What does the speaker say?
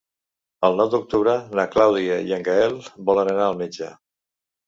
El nou d'octubre na Clàudia i en Gaël volen anar al metge.